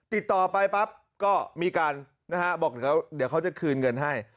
ติดต่อไปปั๊บก็มีการนะฮะบอกเดี๋ยวเขาจะคืนเงินให้